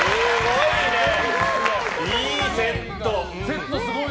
いいセット。